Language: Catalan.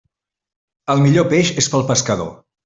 El millor peix és pel pescador.